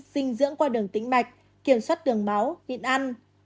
sinh dưỡng qua đường tính mạch kiểm soát đường máu nhịn ăn